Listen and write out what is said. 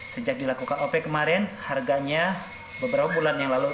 sejak dilakukan op kemarin harganya beberapa bulan yang lalu